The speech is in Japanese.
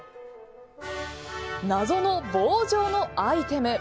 謎の棒状のアイテム